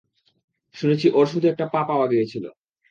শুনেছি ওর শুধু একটা পা পাওয়া গিয়েছিল।